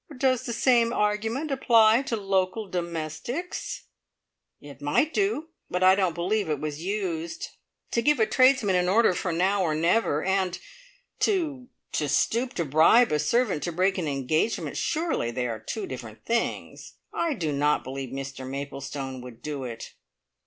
"Does the same argument apply to local domestics?" "It might do; but I don't believe it was used. To give a tradesman an order for now or never, and to to stoop to bribe a servant to break an engagement surely they are two different things! I do not believe Mr Maplestone would do it!"